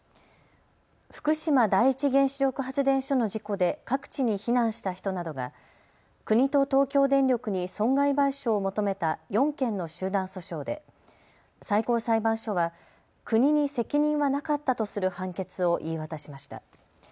福島第一原子力発電所の事故で各地に避難した人などが国と東京電力に損害賠償を求めた４件の集団訴訟で最高裁判所は国に責任はなかったとする判決を言い渡しました。